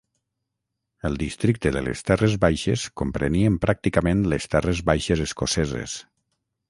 El Districte de les Terres Baixes comprenien pràcticament les Terres Baixes Escoceses.